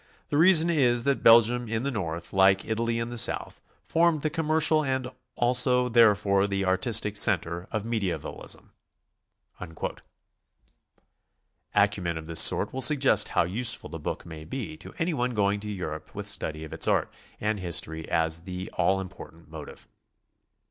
The reason is that Belgium in the North, like Italy in the South, formed the commercial and also therefore the artistic centre of mediaevalism." Acumen of this sort will suggest how useful the book may be to anyone going to Europe with study of its art and history as the all important motive.